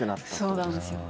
そうなんですよ。